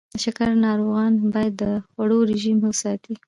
د شکر ناروغان باید د خوړو رژیم وساتي.